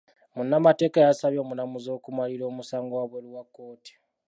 Munnamateeka yasabye omulamuzi okumalira omusango wabweru wa kkooti.